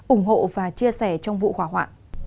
ủng hộ và chia sẻ trong vụ hỏa hoạ